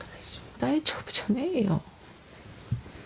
大丈夫じゃねぇよ。